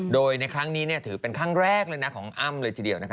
โดยในครั้งนี้ถือเป็นครั้งแรกเลยนะของอ้ำเลยทีเดียวนะคะ